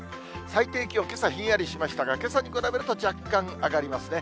最低気温、けさひんやりしましたが、けさに比べると若干上がりますね。